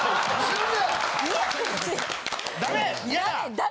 ダメ？